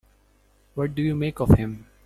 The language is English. What do you make of him?